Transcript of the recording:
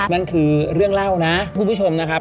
นั่นคือเรื่องเล่านะ